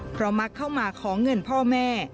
เพราะมักเข้ามาขอเงินพ่อแม่